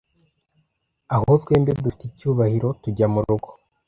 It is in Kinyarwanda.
Aho twembi dufite icyubahiro tujya murugo